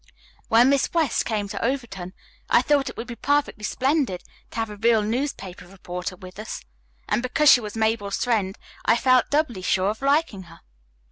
When Miss West first came to Overton I thought it would be perfectly splendid to have a real newspaper reporter with us, and because she was Mabel's friend I felt doubly sure of liking her.